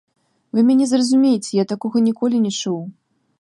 Вы мяне зразумейце, я такога ніколі не чуў.